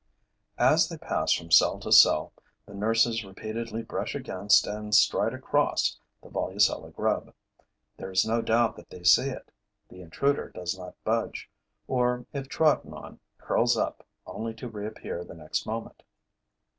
As they pass from cell to cell, the nurses repeatedly brush against and stride across the Volucella grub. There is no doubt that they see it. The intruder does not budge, or, if trodden on, curls up, only to reappear the next moment.